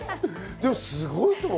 でもすごいと思う。